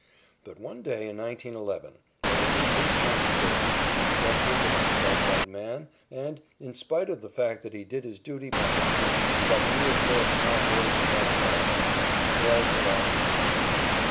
But one day in 1911, when it was his turn to pitch, he bumped into that cross eyed man and, in spite of the fact that he did his duty by his hat and got three or four small boys to help him out, he failed to last two innings.